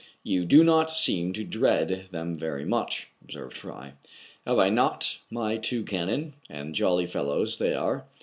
" You do not seem to dread them very much/* observed Fry. " Have I not my two cannon, — and jolly fellows they are